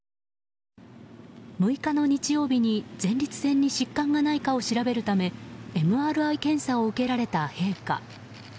６日の日曜日に、前立腺に疾患がないかを調べるためＭＲＩ検査を受けられた陛下。